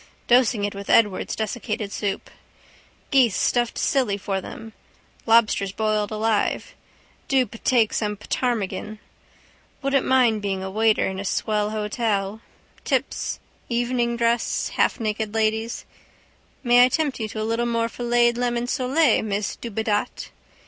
Dosing it with Edwards' desiccated soup. Geese stuffed silly for them. Lobsters boiled alive. Do ptake some ptarmigan. Wouldn't mind being a waiter in a swell hotel. Tips, evening dress, halfnaked ladies. May I tempt you to a little more filleted lemon sole, miss Dubedat?